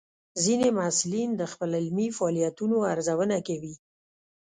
ځینې محصلین د خپل علمي فعالیتونو ارزونه کوي.